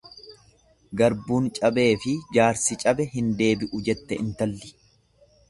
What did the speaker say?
Garbuun cabeefi jaarsi cabe hin deebi'u jette intalli.